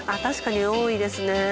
確かに多いですね。